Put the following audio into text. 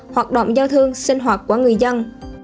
hoạt động giao thương sinh hoạt của người dân